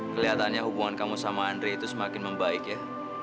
kelihatannya hubungan kamu sama andre itu semakin membaik ya